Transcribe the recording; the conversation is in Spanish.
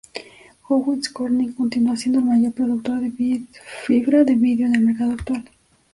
Owens-Corning continúa siendo el mayor productor de fibra de vidrio en el mercado actual.